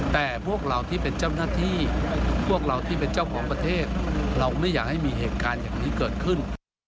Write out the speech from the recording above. แต่พวกเราที่เป็นเจ้าหน้าที่พวกเราที่เป็นเจ้าของประเทศเราไม่อยากให้มีเหตุการณ์อย่างนี้เกิดขึ้น